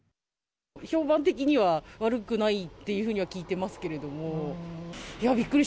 評判的には悪くないっていうふうには聞いてますけれども。